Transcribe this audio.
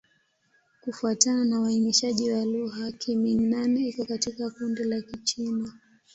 Kufuatana na uainishaji wa lugha, Kimin-Nan iko katika kundi la Kichina.